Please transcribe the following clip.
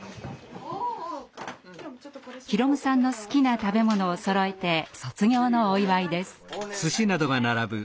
宏夢さんの好きな食べ物をそろえて卒業のお祝いです。